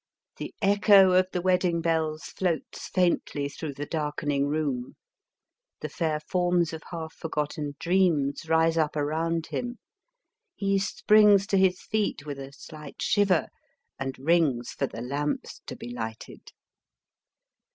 The echo of the wedding bells floats faintly through the darkening room. The fair forms of half forgotten dreams rise up around him. He springs to his feet with a slight shiver, and rings for the lamps to be lighted.